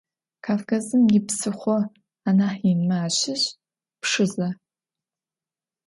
Кавказым ипсыхъо анахь инмэ ащыщ Пшызэ.